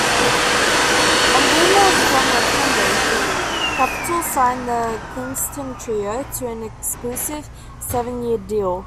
On Gilmore's strong recommendation, Capitol signed the Kingston Trio to an exclusive seven-year deal.